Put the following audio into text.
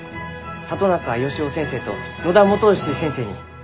里中芳生先生と野田基善先生に。